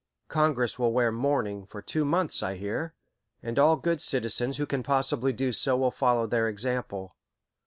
Congress will wear mourning for two months, I hear, and all good citizens who can possibly do so will follow their example.